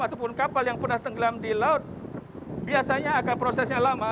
ataupun kapal yang pernah tenggelam di laut biasanya akan prosesnya lama